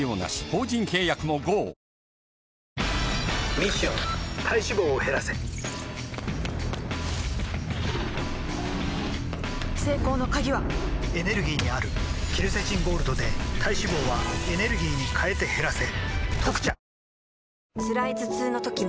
ミッション体脂肪を減らせ成功の鍵はエネルギーにあるケルセチンゴールドで体脂肪はエネルギーに変えて減らせ「特茶」